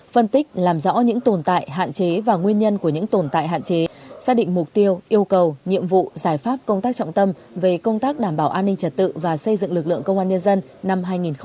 phân tích làm rõ những tồn tại hạn chế và nguyên nhân của những tồn tại hạn chế xác định mục tiêu yêu cầu nhiệm vụ giải pháp công tác trọng tâm về công tác đảm bảo an ninh trật tự và xây dựng lực lượng công an nhân dân năm hai nghìn hai mươi